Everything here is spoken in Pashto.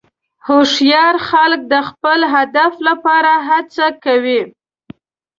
هوښیار خلک د خپل هدف لپاره هڅه کوي.